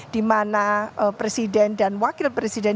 dimana presiden dan wakil presiden